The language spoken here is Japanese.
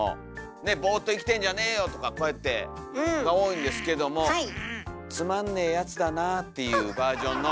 ねえ「ボーっと生きてんじゃねーよ！」とかこうやってが多いんですけども「つまんねーやつだな」っていうバージョンの。